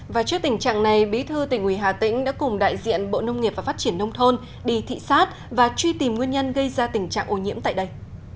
và trước tình trạng này bí thư tỉnh ủy hà tĩnh đã cùng đại diện bộ nông nghiệp và phát triển nông thôn đi thị xát và truy tìm nguyên nhân gây ra tình trạng ô nhiễm tại đây